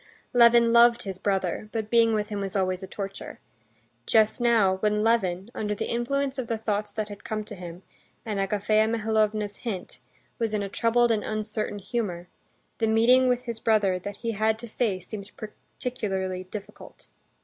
Levin loved his brother, but being with him was always a torture. Just now, when Levin, under the influence of the thoughts that had come to him, and Agafea Mihalovna's hint, was in a troubled and uncertain humor, the meeting with his brother that he had to face seemed particularly difficult.